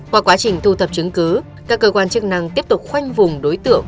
qua quá trình thu thập chứng cứ các cơ quan chức năng tiếp tục khoanh vùng đối tượng